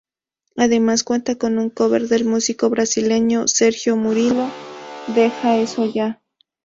Además cuenta con un cover del músico brasileño Sergio Murilo "Deja eso ya".